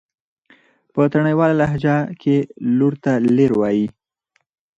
په تڼيواله لهجه کې لور ته لير وايي.